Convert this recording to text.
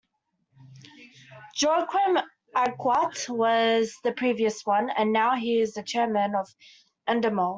Joaquim Agut was the previous one, and now he is chairman of Endemol.